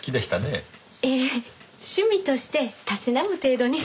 ええ趣味としてたしなむ程度に。